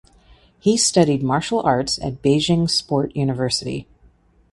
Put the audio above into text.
He studied martial arts at Beijing Sport University.